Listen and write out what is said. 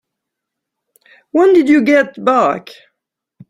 When did you get back?